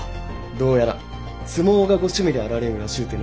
どうやら相撲がご趣味であられるらしうての。